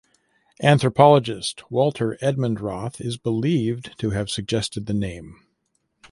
Anthropologist Walter Edmund Roth is believed to have suggested the name.